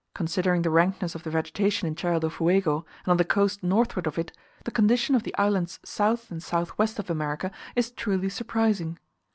Considering the rankness of the vegetation in Tierra del Fuego, and on the coast northward of it, the condition of the islands south and south west of America is truly surprising.